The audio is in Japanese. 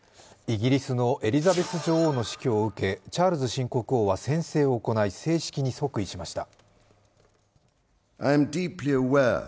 イギリスのエリザベス女王の死去を受け、チャールズ新国王は宣誓を行い正式に即位しました。